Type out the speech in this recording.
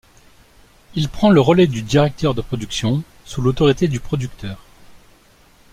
Il prend le relai du Directeur de production sous l'autorité du producteur.